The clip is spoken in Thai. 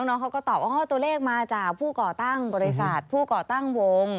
น้องเขาก็ตอบว่าตัวเลขมาจากผู้ก่อตั้งบริษัทผู้ก่อตั้งวง